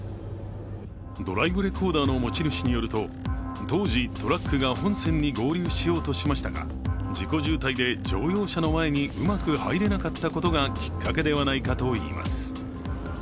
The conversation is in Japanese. ドライブレコーダーの持ち主によると当時、トラックが本線に合流しようとしましたが事故渋滞で乗用車の前にうまく入れなかったことがきっかけではないかといいます。